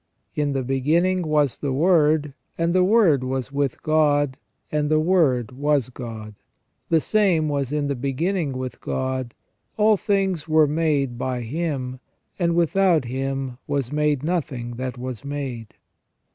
" In the beginning was the Word, and the Word was with God, and the Word was God. The same was in the beginning with God. All things were made by Him ; and without Him was made nothing that was made."